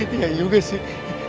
hehehe ya juga sih